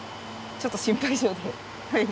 ちょっと心配性ではい。